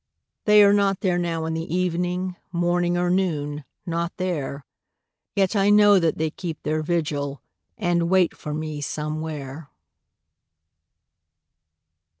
They are not there now in the evening Morning or noon not there; Yet I know that they keep their vigil, And wait for me Somewhere.